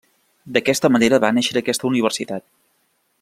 D'aquesta manera va néixer aquesta universitat.